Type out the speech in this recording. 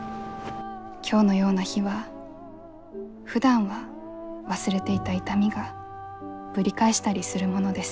今日のような日はふだんは忘れていた痛みがぶり返したりするものです。